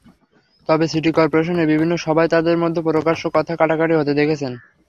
তবে সিটি করপোরেশনের বিভিন্ন সভায় তাঁদের মধ্যে প্রকাশ্যে কথা–কাটাকাটি হতে দেখেছেন।